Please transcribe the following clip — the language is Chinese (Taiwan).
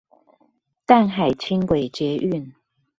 淡海輕軌捷運